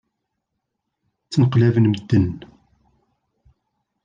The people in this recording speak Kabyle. Ttneqlaben medden.